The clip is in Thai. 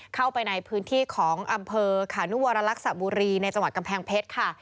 เข้าไปในพื้นที่ของอำเภอขานุวรรลักษบุรีในจังหวัดกำแพงเพชรค่ะ